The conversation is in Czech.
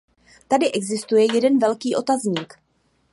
Tady existuje jeden velký otazník.